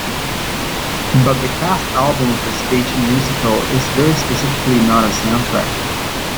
But the cast album of a stage musical is very specifically not a soundtrack.